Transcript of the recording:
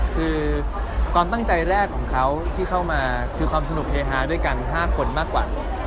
คือการตั้งใจแรกรักเขามาคือความสนุกเฮฮาด้วยกันห้าคนมากกว่า